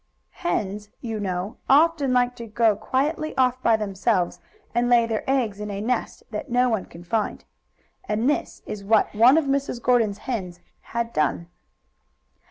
Hens, you know, often like to go quietly off by themselves, and lay their eggs in a nest that no one can find. And this is what one of Mrs. Gordon's hens had done.